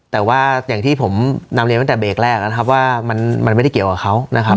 แต่ว่าอย่างที่ผมนำเรียนตั้งแต่เบรกแรกนะครับว่ามันไม่ได้เกี่ยวกับเขานะครับ